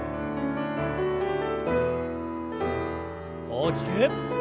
大きく。